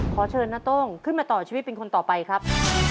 ขอเชิญน้าโต้งขึ้นมาต่อชีวิตเป็นคนต่อไปครับ